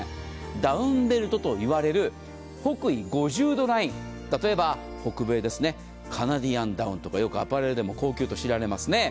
ダウンベルトといわれる北緯５０度ライン、例えば北米ですね、カナディアンダウンとかアパレルでも高級として知られますね。